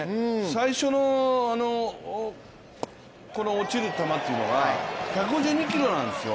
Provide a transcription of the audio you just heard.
最初のこの落ちる球というのは１５２キロなんですよ。